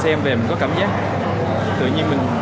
xem về mình có cảm giác tự nhiên mình